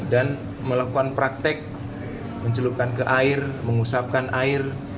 dan melakukan praktek mencelupkan ke air mengusapkan air